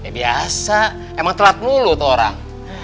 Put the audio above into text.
biasa emang telat mulu tuh orang